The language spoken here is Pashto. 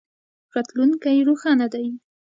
راتلونکی روښانه دی.